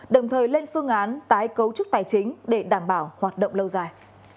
đồng thời lên phương án tái cấu trúc tài chính để đảm bảo hoạt động lâu dài